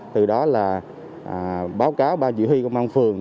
từ đó là báo cáo ba dự huy công an phường